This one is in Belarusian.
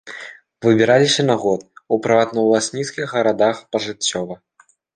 Выбіраліся на год, у прыватнаўласніцкіх гарадах пажыццёва.